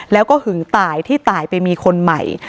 แล้วก็หึงตายที่ตายไปมีคนใหม่